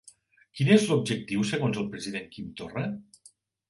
Quin és l'objectiu segons el president Quim Torra?